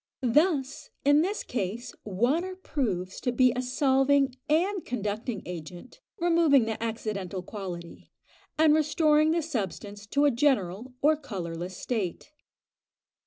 Thus, in this case, water proves to be a solving and conducting agent, removing the accidental quality, and restoring the substance to a general or colourless state.